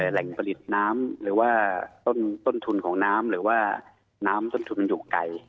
แหล่งผลิตน้ำหรือว่าต้นทุนของน้ำหรือว่าน้ำต้นทุนมันอยู่ไกล